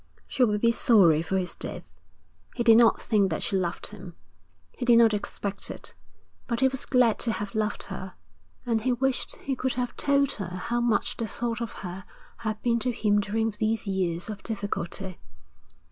She would be sorry for his death. He did not think that she loved him, he did not expect it; but he was glad to have loved her, and he wished he could have told her how much the thought of her had been to him during these years of difficulty.